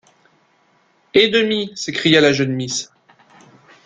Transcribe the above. Et demi! s’écria la jeune miss.